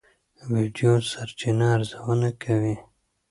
ویډیو سرچینه ارزونه کوي.